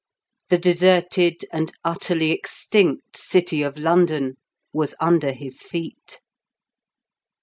The deserted and utterly extinct city of London was under his feet.